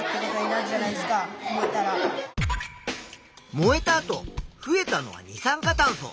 燃えた後増えたのは二酸化炭素。